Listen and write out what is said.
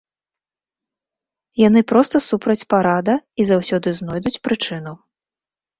Яны проста супраць парада і заўсёды знойдуць прычыну.